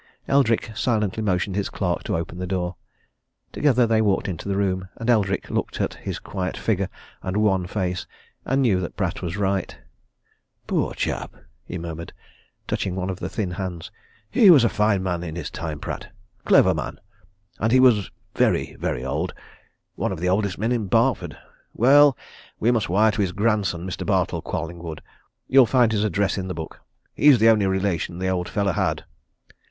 Eldrick silently motioned his clerk to open the door; together they walked into the room. And Eldrick looked at his quiet figure and wan face, and knew that Pratt was right. "Poor old chap!" he murmured, touching one of the thin hands. "He was a fine man in his time, Pratt; clever man! And he was very, very old one of the oldest men in Barford. Well, we must wire to his grandson, Mr. Bartle Collingwood. You'll find his address in the book. He's the only relation the old fellow had."